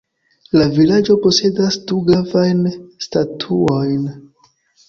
La vilaĝo posedas du gravajn statuojn.